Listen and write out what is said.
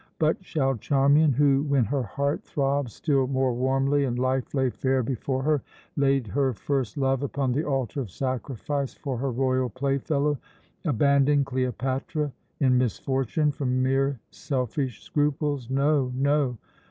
But shall Charmian who, when her heart throbbed still more warmly and life lay fair before her, laid her first love upon the altar of sacrifice for her royal playfellow abandon Cleopatra in misfortune from mere selfish scruples? No, no!